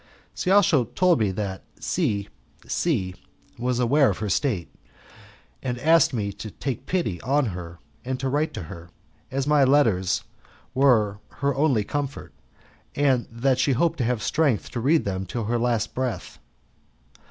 She also told me that C C was aware of her state, and asked me to take pity on her and write to her, as my letters were her only comfort, and that she hoped to have strength to read them till her latest breath.